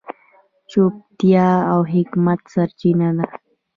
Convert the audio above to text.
چوپتیا، د حکمت سرچینه ده.